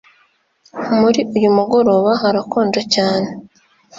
Muri uyu mugoroba harakonje cyane